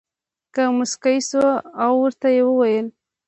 هغه موسکی شو او ورته یې وویل: